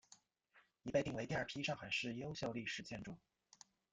已被定为第二批上海市优秀历史建筑。